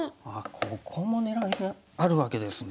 ここも狙いがあるわけですね。